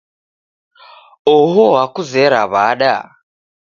Oho wakuzera w'ada?